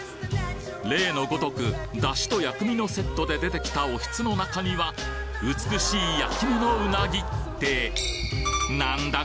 例のごとく、だしと薬味のセットで出てきたおひつの中には、美しい焼き目のうなぎってなんだ